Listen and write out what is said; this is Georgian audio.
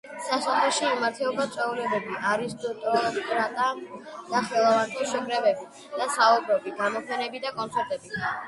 სასახლეში იმართებოდა წვეულებები, არისტოკრატთა და ხელოვანთა შეკრებები და საუბრები, გამოფენები და კონცერტები.